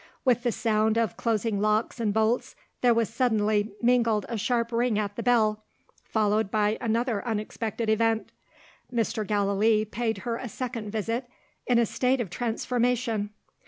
With the sound of closing locks and bolts, there was suddenly mingled a sharp ring at the bell; followed by another unexpected event. Mr. Gallilee paid her a second visit in a state of transformation.